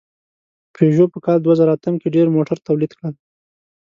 پيژو په کال دوهزرهاتم کې ډېر موټر تولید کړل.